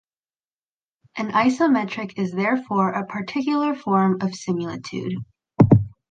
An isometric is therefore a particular form of similitude.